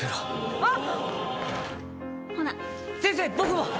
あっ！